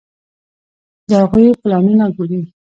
د هغوی پلانونه ګوري.